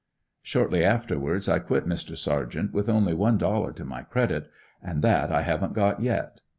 Shortly afterwards I quit Mr. Sargent with only one dollar to my credit; and that I havn't got yet.